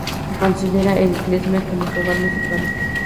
Considera el klezmer como su "hogar musical".